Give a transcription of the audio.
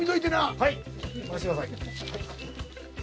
はい任してください。